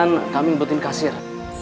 kan kami butuhin kasir